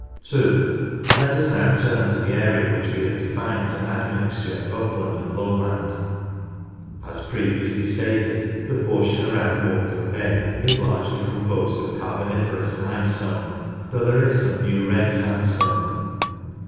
(2) Let us now turn to the area which we have defined as an admixture of upland and lowland. As previously stated, the portion around Morecambe Bay is largely composed of Carboniferous Limestone, though there is some New Red Sandstone.